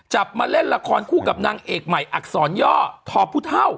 มาเล่นละครคู่กับนางเอกใหม่อักษรย่อทอผู้เท่า